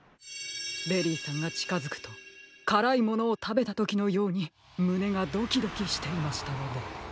ベリーさんがちかづくとからいものをたべたときのようにむねがドキドキしていましたので。